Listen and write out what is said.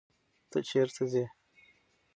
ته چیرته ځې.